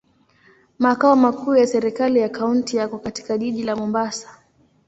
Makao makuu ya serikali ya kaunti yako katika jiji la Mombasa.